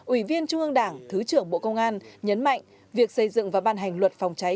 ủy viên trung ương đảng thứ trưởng bộ công an nhấn mạnh việc xây dựng và ban hành luật phòng cháy